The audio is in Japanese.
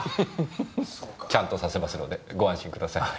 ちゃんとさせますのでご安心ください。